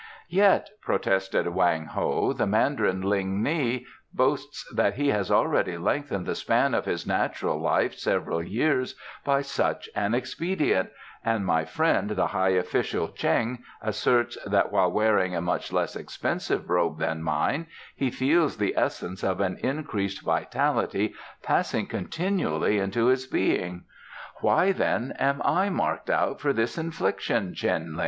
"Yet," protested Wang Ho, "the Mandarin Ling ni boasts that he has already lengthened the span of his natural life several years by such an expedient, and my friend the high official T'cheng asserts that, while wearing a much less expensive robe than mine, he feels the essence of an increased vitality passing continuously into his being. Why, then, am I marked out for this infliction, Cheng Lin?"